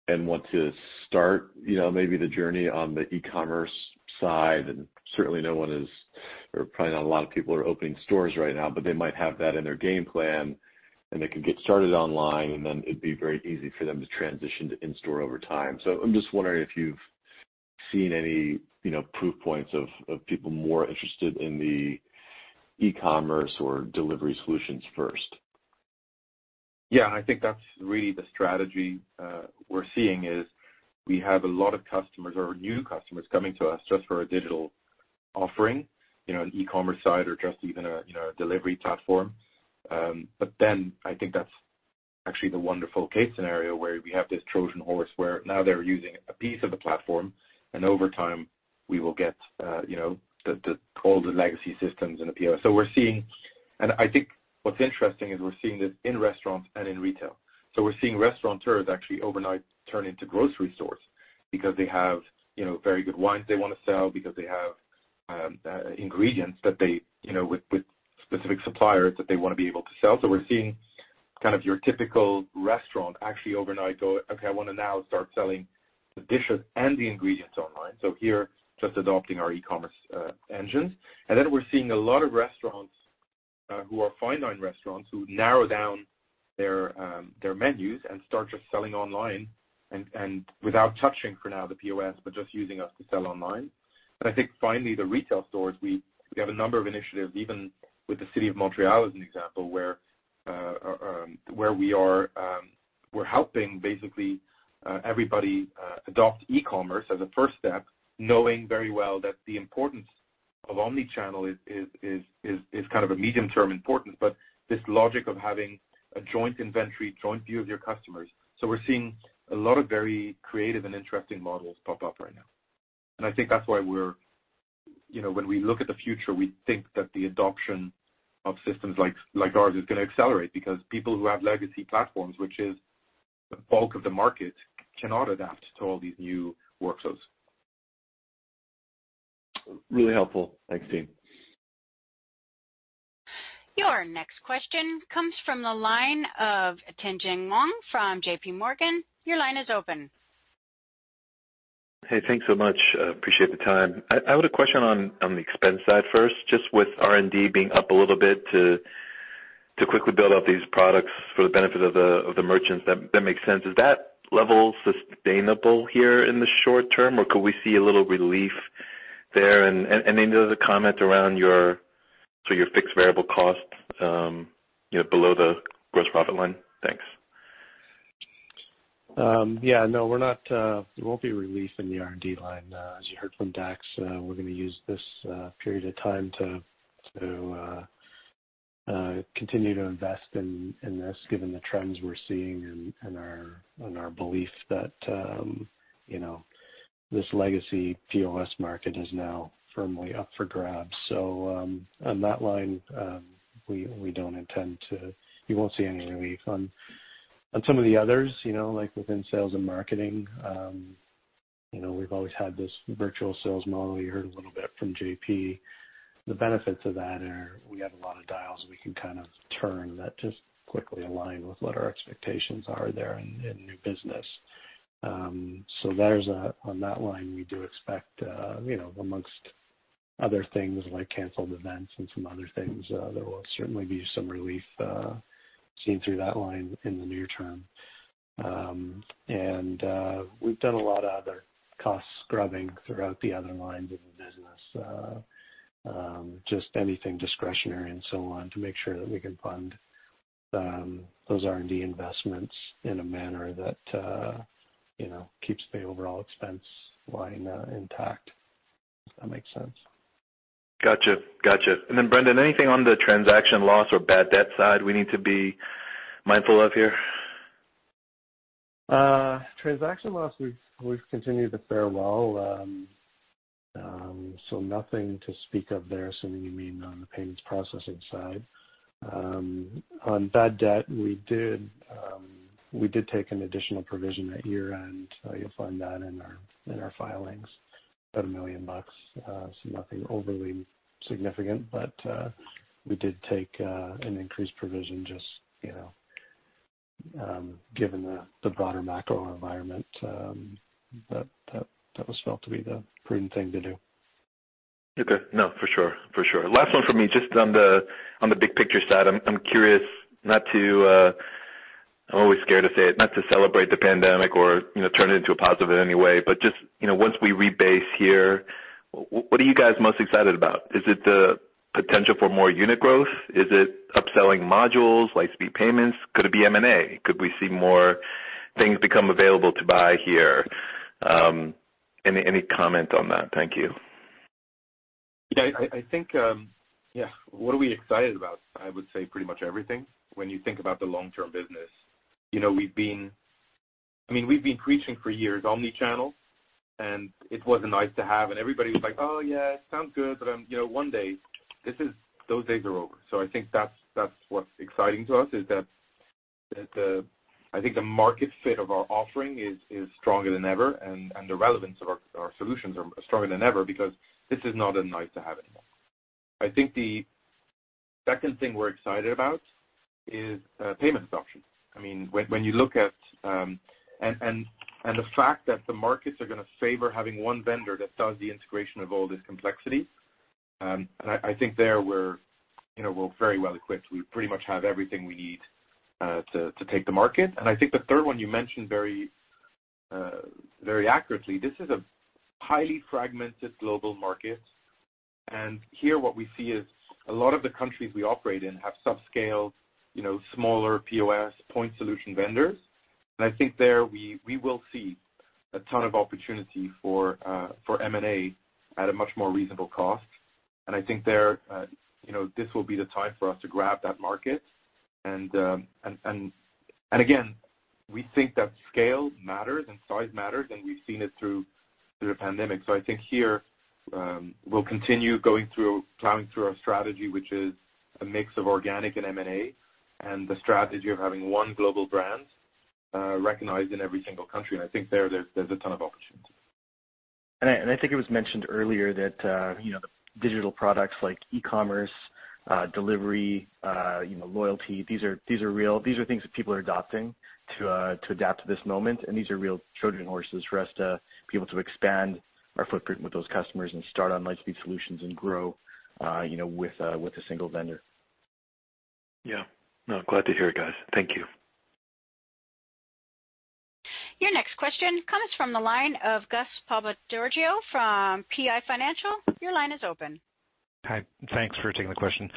and want to start maybe the journey on the e-commerce side? Certainly no one is, or probably not a lot of people are opening stores right now, but they might have that in their game plan, and they can get started online, and then it'd be very easy for them to transition to in-store over time. I'm just wondering if you've seen any proof points of people more interested in the e-commerce or delivery solutions first. I think that's really the strategy we're seeing is we have a lot of customers or new customers coming to us just for a digital offering, an e-commerce side or just even a delivery platform. I think that's actually the wonderful case scenario where we have this Trojan horse where now they're using a piece of the platform, and over time we will get all the legacy systems and the POS. I think what's interesting is we're seeing this in restaurants and in retail. We're seeing restaurateurs actually overnight turn into grocery stores because they have very good wines they want to sell, because they have ingredients with specific suppliers that they want to be able to sell. We're seeing your typical restaurant actually overnight go, "Okay, I want to now start selling the dishes and the ingredients online." Here, just adopting our e-commerce engines. We're seeing a lot of restaurants who are fine-dine restaurants who narrow down their menus and start just selling online and without touching for now the POS, but just using us to sell online. I think finally, the retail stores, we have a number of initiatives, even with the city of Montreal as an example, where we're helping basically everybody adopt e-commerce as a first step, knowing very well that the importance of omni-channel is a medium-term importance, this logic of having a joint inventory, joint view of your customers. We're seeing a lot of very creative and interesting models pop up right now. I think that's why when we look at the future, we think that the adoption of systems like ours is going to accelerate because people who have legacy platforms, which is the bulk of the market, cannot adapt to all these new workflows. Really helpful. Thanks, team. Our next question comes from the line of Tien-Tsin Huang from JP Morgan. Your line is open. Hey, thanks so much. Appreciate the time. I have a question on the expense side first, just with R&D being up a little bit to quickly build out these products for the benefit of the merchants. That makes sense. Is that level sustainable here in the short term, or could we see a little relief there? Any other comment around your fixed variable costs below the gross profit line? Thanks. Yeah, no, there won't be relief in the R&D line. As you heard from Dax, we're going to use this period of time to continue to invest in this, given the trends we're seeing and our belief that this legacy POS market is now firmly up for grabs. On that line, you won't see any relief. On some of the others, like within sales and marketing, we've always had this virtual sales model. You heard a little bit from JP. The benefits of that are we have a lot of dials we can turn that just quickly align with what our expectations are there in new business. On that line, we do expect, amongst other things like canceled events and some other things, there will certainly be some relief seen through that line in the near term. We've done a lot of other cost scrubbing throughout the other lines of the business, just anything discretionary and so on, to make sure that we can fund those R&D investments in a manner that keeps the overall expense line intact, if that makes sense. Gotcha. Brandon, anything on the transaction loss or bad debt side we need to be mindful of here? Transaction loss, we've continued to fare well, so nothing to speak of there, assuming you mean on the payments processing side. On bad debt, we did take an additional provision at year-end. You'll find that in our filings, about $1 million. Nothing overly significant, but we did take an increased provision, just given the broader macro environment. That was felt to be the prudent thing to do. Okay. No, for sure. Last one from me, just on the big picture side. I'm curious, I'm always scared to say it, not to celebrate the pandemic or turn it into a positive in any way, but just once we rebase here, what are you guys most excited about? Is it the potential for more unit growth? Is it upselling modules, Lightspeed Payments? Could it be M&A? Could we see more things become available to buy here? Any comment on that? Thank you. Yeah, what are we excited about? I would say pretty much everything when you think about the long-term business. We've been preaching for years, Omnichannel, and it wasn't nice to have, and everybody was like, "Oh yeah, sounds good, but one day." Those days are over. I think that's what's exciting to us, is that I think the market fit of our offering is stronger than ever, and the relevance of our solutions are stronger than ever because this is not a nice to have anymore. I think the second thing we're excited about is payments options. The fact that the markets are going to favor having one vendor that does the integration of all this complexity. I think there we're very well equipped. We pretty much have everything we need to take the market. I think the third one you mentioned very accurately, this is a highly fragmented global market, and here what we see is a lot of the countries we operate in have sub-scale, smaller POS point solution vendors. I think there we will see a ton of opportunity for M&A at a much more reasonable cost. I think there this will be the time for us to grab that market. Again, we think that scale matters and size matters, and we've seen it through the pandemic. I think here we'll continue plowing through our strategy, which is a mix of organic and M&A, and the strategy of having one global brand recognized in every single country, and I think there's a ton of opportunity. I think it was mentioned earlier that the digital products like e-commerce, delivery, loyalty, these are things that people are adopting to adapt to this moment, and these are real Trojan horses for us to be able to expand our footprint with those customers and start on Lightspeed solutions and grow with a single vendor. Yeah. No, glad to hear it, guys. Thank you. Your next question comes from the line of Gus Papageorgiou from PI Financial. Your line is open. Hi. Thanks for taking the question.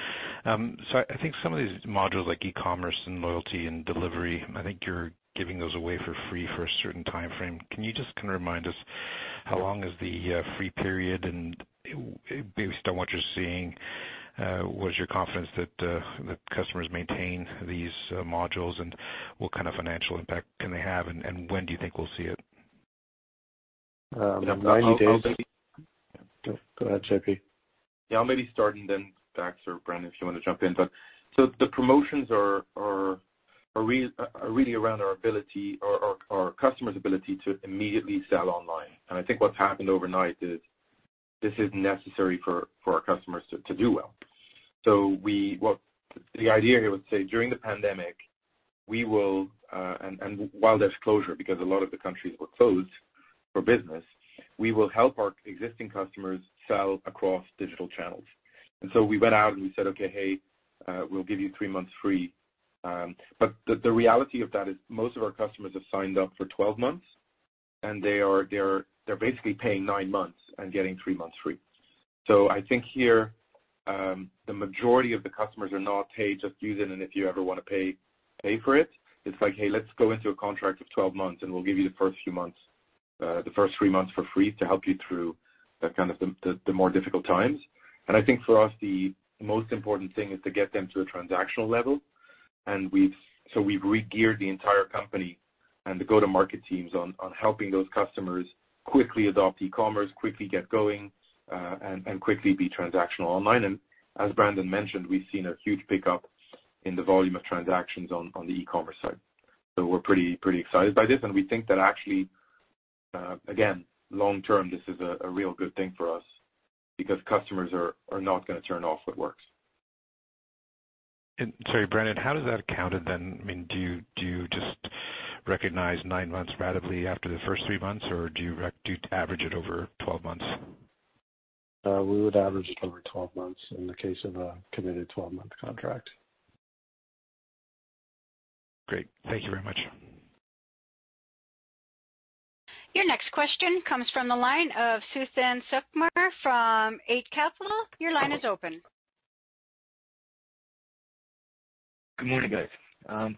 I think some of these modules like e-commerce and loyalty and delivery, I think you're giving those away for free for a certain timeframe. Can you just remind us how long is the free period and based on what you're seeing, what is your confidence that the customers maintain these modules, and what kind of financial impact can they have, and when do you think we'll see it? 90 days. Go ahead, JP. Yeah, I'll maybe start and then Dax or Brandon, if you want to jump in. The promotions are really around our customer's ability to immediately sell online. I think what's happened overnight is. This is necessary for our customers to do well. The idea here was to say, during the pandemic, and while there's closure, because a lot of the countries were closed for business, we will help our existing customers sell across digital channels. We went out and we said, "Okay, hey, we'll give you three months free." The reality of that is most of our customers have signed up for 12 months, and they're basically paying nine months and getting three months free. I think here, the majority of the customers are not paid, just use it, and if you ever want to pay for it's like, "Hey, let's go into a contract of 12 months, and we'll give you the first three months for free to help you through the more difficult times." I think for us, the most important thing is to get them to a transactional level. We've re-geared the entire company and the go-to-market teams on helping those customers quickly adopt e-commerce, quickly get going, and quickly be transactional online. As Brandon mentioned, we've seen a huge pickup in the volume of transactions on the e-commerce side. We're pretty excited by this, and we think that actually, again, long-term, this is a real good thing for us because customers are not going to turn off what works. Sorry, Brandon, how does that count? Do you just recognize nine months ratably after the first three months, or do you average it over 12 months? We would average it over 12 months in the case of a committed 12-month contract. Great. Thank you very much. Your next question comes from the line of Suthan Sukumar from Eight Capital. Your line is open. Good morning, guys.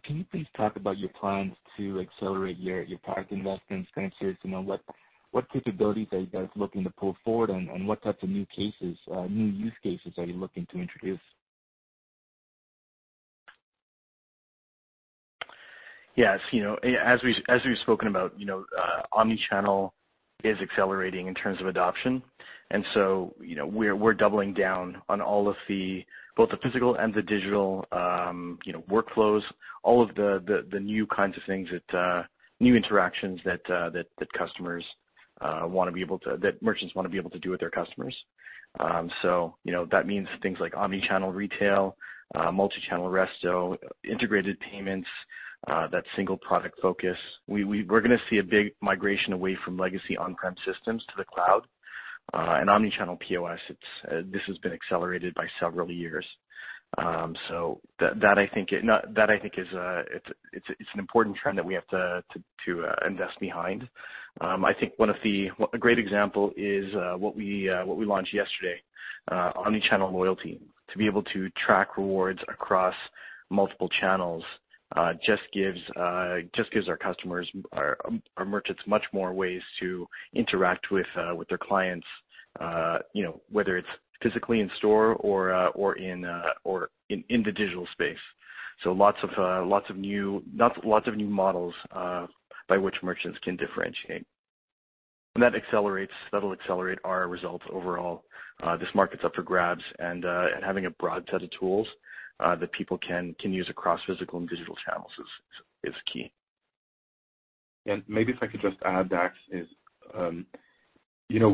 Can you please talk about your plans to accelerate your product investments going forward? What capabilities are you guys looking to pull forward, and what types of new use cases are you looking to introduce? Yes. As we've spoken about, omni-channel is accelerating in terms of adoption. We're doubling down on both the physical and the digital workflows, all of the new kinds of things, new interactions that merchants want to be able to do with their customers. That means things like omni-channel retail, multi-channel resto, integrated payments, that single product focus. We're going to see a big migration away from legacy on-prem systems to the cloud, and omni-channel POS, this has been accelerated by several years. That I think is an important trend that we have to invest behind. I think a great example is what we launched yesterday, Omnichannel Loyalty. To be able to track rewards across multiple channels just gives our merchants much more ways to interact with their clients, whether it's physically in-store or in the digital space. Lots of new models by which merchants can differentiate. That'll accelerate our results overall. This market's up for grabs, and having a broad set of tools that people can use across physical and digital channels is key. Maybe if I could just add, Dax, is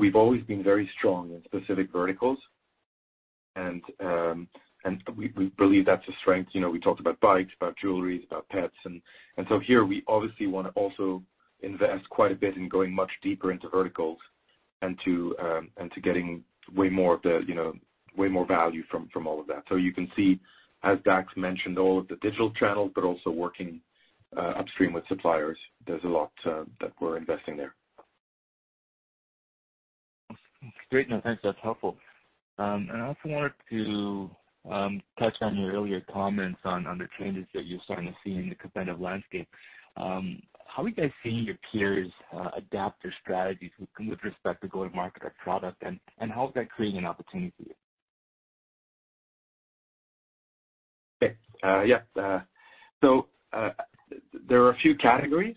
we've always been very strong in specific verticals, and we believe that's a strength. We talked about bikes, about jewelry, about pets, and so here, we obviously want to also invest quite a bit in going much deeper into verticals and to getting way more value from all of that. You can see, as Dax mentioned, all of the digital channels, but also working upstream with suppliers. There's a lot that we're investing there. Great. No, thanks. That's helpful. I also wanted to touch on your earlier comments on the changes that you're starting to see in the competitive landscape. How are you guys seeing your peers adapt their strategies with respect to go-to-market or product, and how is that creating an opportunity for you? There are a few categories.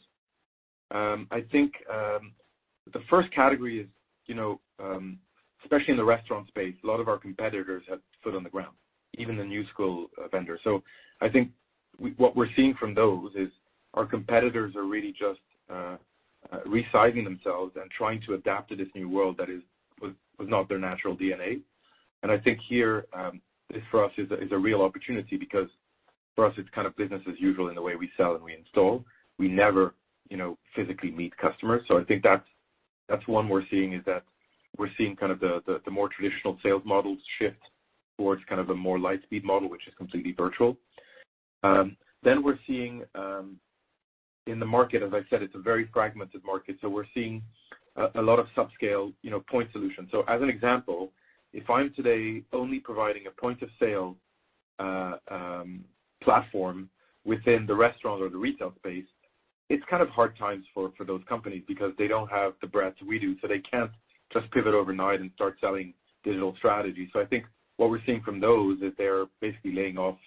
I think the first category is, especially in the restaurant space, a lot of our competitors have foot on the ground, even the new school vendors. I think what we're seeing from those is our competitors are really just resizing themselves and trying to adapt to this new world that was not their natural DNA. I think here, for us, is a real opportunity because for us, it's kind of business as usual in the way we sell and we install. We never physically meet customers. I think that's one we're seeing is that we're seeing the more traditional sales models shift towards a more Lightspeed model, which is completely virtual. We're seeing in the market, as I said, it's a very fragmented market, so we're seeing a lot of subscale point solutions. As an example, if I'm today only providing a point of sale platform within the restaurant or the retail space, it's kind of hard times for those companies because they don't have the breadth we do, so they can't just pivot overnight and start selling digital strategy. I think what we're seeing from those is they're basically laying off.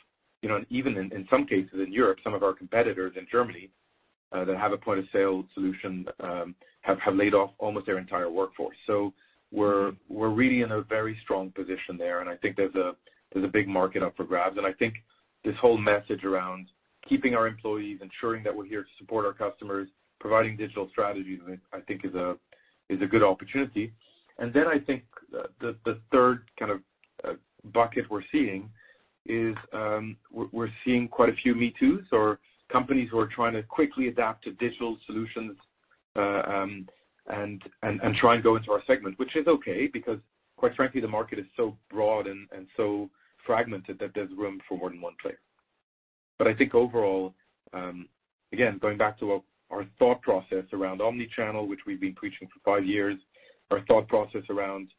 Even in some cases in Europe, some of our competitors in Germany that have a point of sale solution, have laid off almost their entire workforce. We're really in a very strong position there, and I think there's a big market up for grabs. I think this whole message around keeping our employees, ensuring that we're here to support our customers, providing digital strategies, I think is a good opportunity. I think the third kind of bucket we're seeing is, we're seeing quite a few me-too's or companies who are trying to quickly adapt to digital solutions, and try and go into our segment. Which is okay, because quite frankly, the market is so broad and so fragmented that there's room for more than one player. I think overall, again, going back to our thought process around omni-channel, which we've been preaching for five years, our thought process around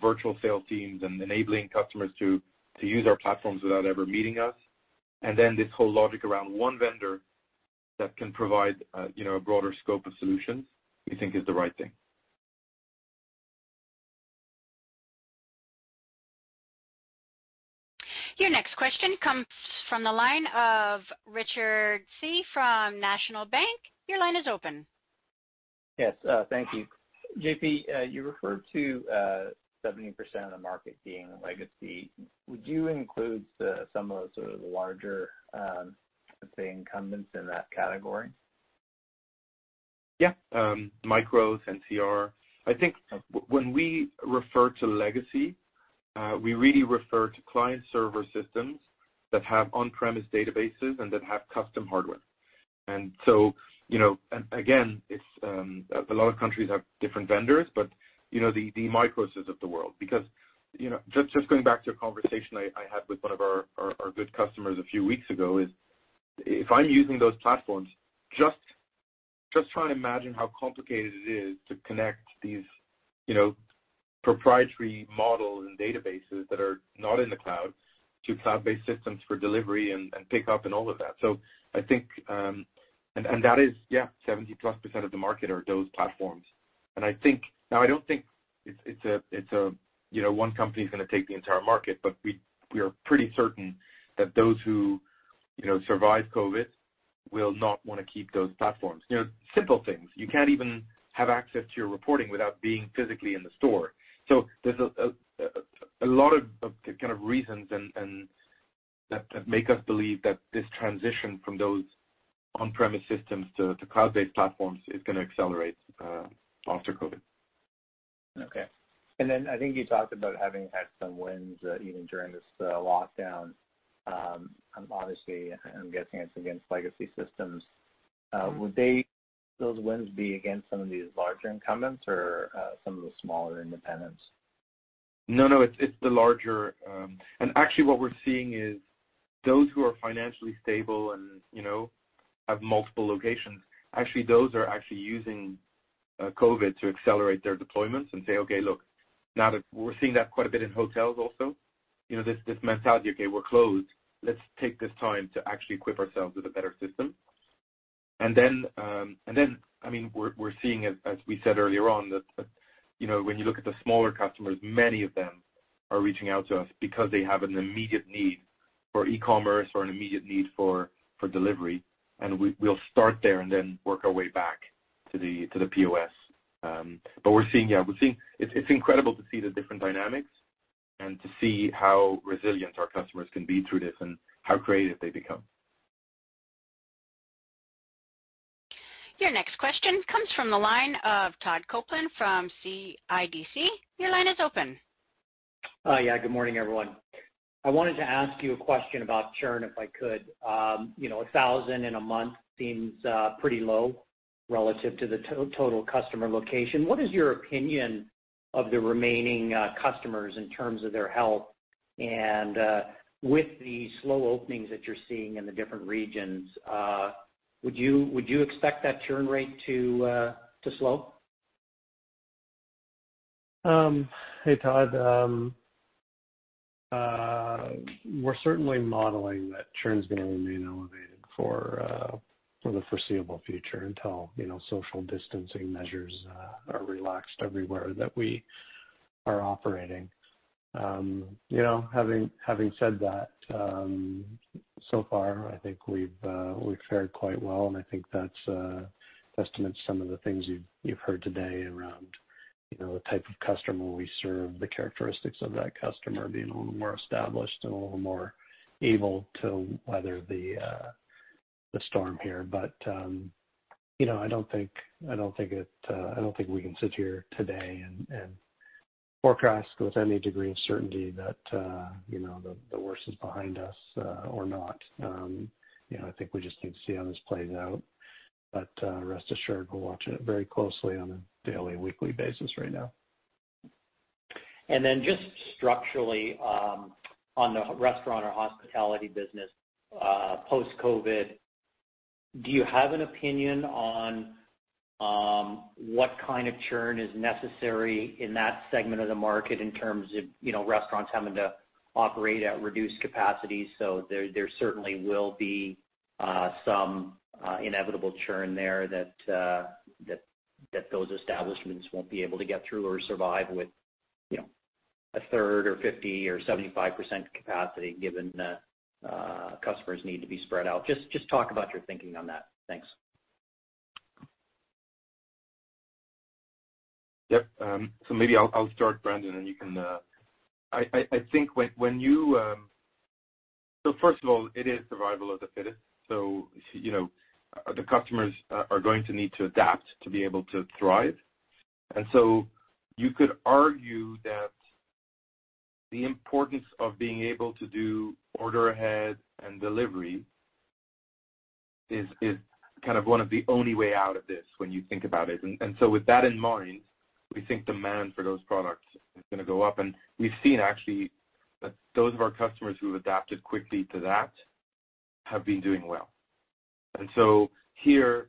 virtual sales teams and enabling customers to use our platforms without ever meeting us, and then this whole logic around one vendor that can provide a broader scope of solutions, we think is the right thing. Your next question comes from the line of Richard Tse from National Bank. Your line is open. Yes, thank you. JP, you referred to 70% of the market being legacy. Would you include some of the larger, let's say, incumbents in that category? Yeah. MICROS and NCR. I think when we refer to legacy, we really refer to client server systems that have on-premise databases and that have custom hardware. Again, a lot of countries have different vendors, but the MICROSes of the world. Just going back to a conversation I had with one of our good customers a few weeks ago is, if I'm using those platforms, just try and imagine how complicated it is to connect these proprietary models and databases that are not in the cloud to cloud-based systems for delivery and pickup and all of that. That is, yeah, 70-plus% of the market are those platforms. I don't think one company's going to take the entire market, but we are pretty certain that those who survive COVID will not want to keep those platforms. Simple things. You can't even have access to your reporting without being physically in the store. There's a lot of reasons that make us believe that this transition from those on-premise systems to cloud-based platforms is going to accelerate post-COVID. Okay. I think you talked about having had some wins even during this lockdown. Obviously, I'm guessing it's against legacy systems. Would those wins be against some of these larger incumbents or some of the smaller independents? No, it's the larger. Actually what we're seeing is those who are financially stable and have multiple locations, those are actually using COVID-19 to accelerate their deployments and say, "Okay, look." We're seeing that quite a bit in hotels also, this mentality, "Okay, we're closed. Let's take this time to actually equip ourselves with a better system." We're seeing, as we said earlier on, that when you look at the smaller customers, many of them are reaching out to us because they have an immediate need for e-commerce or an immediate need for Lightspeed Delivery. We'll start there and then work our way back to the POS. It's incredible to see the different dynamics and to see how resilient our customers can be through this and how creative they become. Your next question comes from the line of Todd Coupland from CIBC. Your line is open. Yeah. Good morning, everyone. I wanted to ask you a question about churn, if I could. 1,000 in a month seems pretty low relative to the total customer location. What is your opinion of the remaining customers in terms of their health? With the slow openings that you're seeing in the different regions, would you expect that churn rate to slow? Hey, Todd. We're certainly modeling that churn's going to remain elevated for the foreseeable future until social distancing measures are relaxed everywhere that we are operating. Having said that, so far, I think we've fared quite well, and I think that's testament to some of the things you've heard today around the type of customer we serve, the characteristics of that customer being a little more established and a little more able to weather the storm here. I don't think we can sit here today and forecast with any degree of certainty that the worst is behind us, or not. I think we just need to see how this plays out. Rest assured, we're watching it very closely on a daily, weekly basis right now. Then just structurally, on the restaurant or hospitality business, post-COVID, do you have an opinion on what kind of churn is necessary in that segment of the market in terms of restaurants having to operate at reduced capacity? There certainly will be some inevitable churn there that those establishments won't be able to get through or survive with a third or 50% or 75% capacity given customers need to be spread out. Just talk about your thinking on that. Thanks. Yep. Maybe I'll start, Brandon, and you can first of all, it is survival of the fittest. The customers are going to need to adapt to be able to thrive. You could argue that the importance of being able to do order ahead and delivery is one of the only way out of this when you think about it. With that in mind, we think demand for those products is going to go up, and we've seen actually that those of our customers who have adapted quickly to that have been doing well. Here,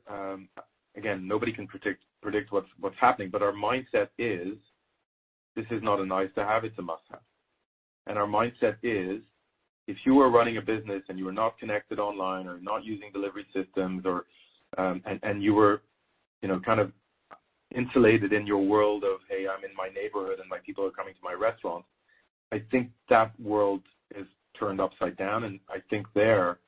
again, nobody can predict what's happening. Our mindset is, this is not a nice to have, it's a must-have. Our mindset is, if you are running a business and you are not connected online or not using delivery systems, and you were kind of insulated in your world of, "Hey, I'm in my neighborhood and my people are coming to my restaurant," I think that world is turned upside down. I think there,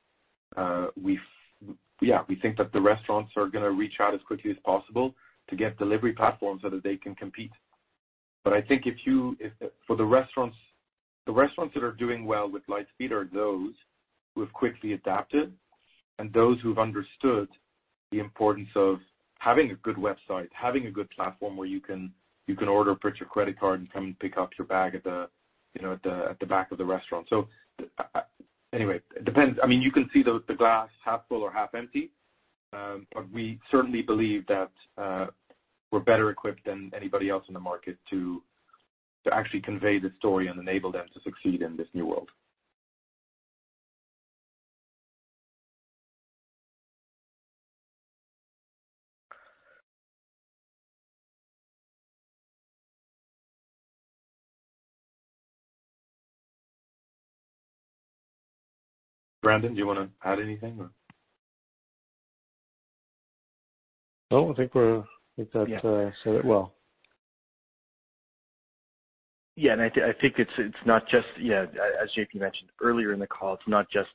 we think that the restaurants are going to reach out as quickly as possible to get delivery platforms so that they can compete. I think the restaurants that are doing well with Lightspeed are those who have quickly adapted and those who've understood the importance of having a good website, having a good platform where you can order, put your credit card, and come and pick up your bag at the back of the restaurant. Anyway, it depends. You can see the glass half full or half empty. We certainly believe that we're better equipped than anybody else in the market to actually convey the story and enable them to succeed in this new world. Brandon, do you want to add anything? No, I think that said it well. Yeah. As JP mentioned earlier in the call, it's not just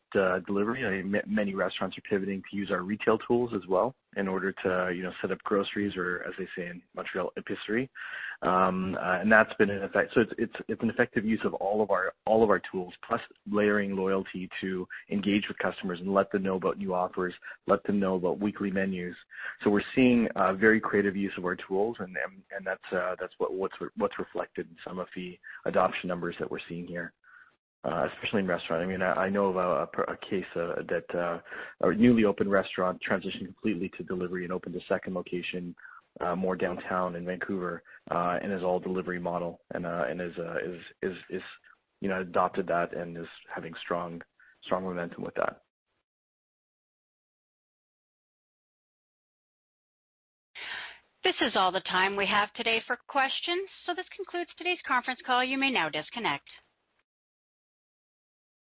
delivery. Many restaurants are pivoting to use our retail tools as well in order to set up groceries or, as they say in Montreal, épicerie. It's an effective use of all of our tools, plus layering loyalty to engage with customers and let them know about new offers, let them know about weekly menus. We're seeing a very creative use of our tools, and that's what's reflected in some of the adoption numbers that we're seeing here, especially in restaurant. I know of a case that a newly opened restaurant transitioned completely to delivery and opened a second location more downtown in Vancouver, and is all delivery model, and has adopted that and is having strong momentum with that. This is all the time we have today for questions. This concludes today's conference call. You may now disconnect.